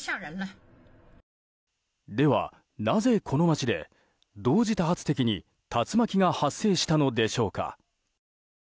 ではなぜ、この街で同時多発的に竜巻が発生したのでしょうか。